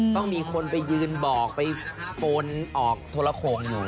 ต้องมีคนไปยืนบอกไปโกนออกโทรโขงอยู่